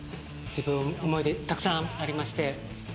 自分思い出たくさんありまして。